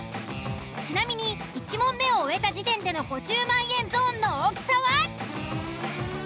ちなみに１問目を終えた時点での５０万円ゾーンの大きさは？